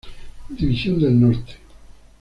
División del Norte.